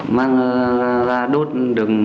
mang ra đốt được một lần